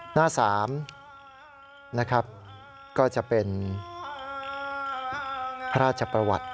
หน้า๓นะครับก็จะเป็นพระราชประวัติ